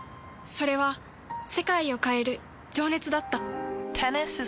それは世界を変える情熱だった。